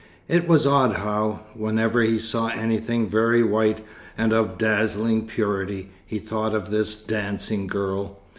It was odd how, whenever he saw anything very white and of dazzling purity, he thought of this dancing girl.